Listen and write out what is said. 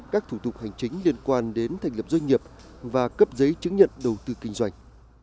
các thủ tục hành chính liên quan đến thành lập doanh nghiệp và cấp giấy chứng nhận đầu tư kinh doanh